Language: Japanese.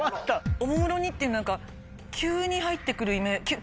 「おもむろに」って何か急に入って来るイメージ。